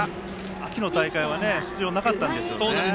秋の大会は出場なかったんですけどね。